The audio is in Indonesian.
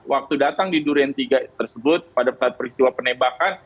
waktu datang di durian tiga tersebut pada saat peristiwa penembakan